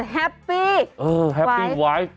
แฮปปี้ไวฟ์